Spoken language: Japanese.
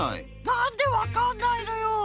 なんでわかんないのよ。